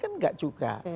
kan enggak juga